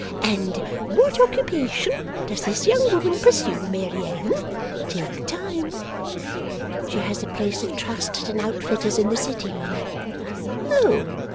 And what occupation does this young woman pursue, Mary Anne? Take time.' 'She has a place of trust at an outfitter's in the City, ma'am.' 'Oh!